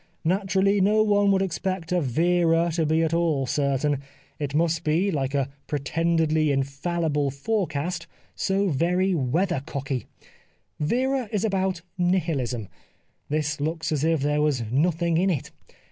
Naturally no one would expect a Veerer to be at all certain : it must be, hke a 221 The Life of Oscar Wilde pretendedly infallible forecast, so very weather cocky. Vera is about Nihilism, this looks as if there was nothing in it.